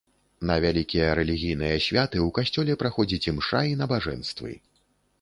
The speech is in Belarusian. На вялікія рэлігійныя святы ў касцёле праходзяць імша і набажэнствы.